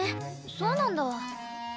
そうなんだ。